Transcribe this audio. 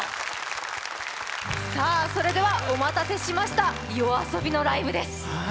それでは、お待たせしましたＹＯＡＳＯＢＩのライブです。